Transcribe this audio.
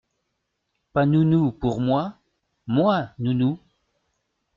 Pas nounou pour moi ! moi nounou.